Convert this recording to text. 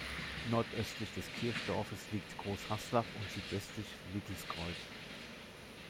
Nordöstlich des Kirchdorfes liegt Großhaslach und südwestlich Wicklesgreuth.